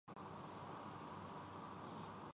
تو ایک بات لازم ہے۔